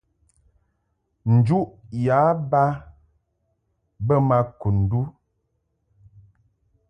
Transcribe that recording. Njuʼ yǎ ba bə ma Kundu.